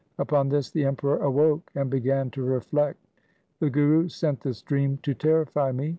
Upon this the Emperor awoke and began to reflect. ' The Guru sent this dream to terrify me.